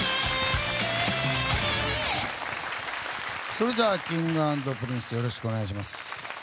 それではＫｉｎｇ＆Ｐｒｉｎｃｅよろしくお願いします。